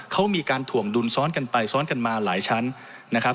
เขามีการถ่วงดุลซ้อนกันไปซ้อนกันมาหลายชั้นนะครับ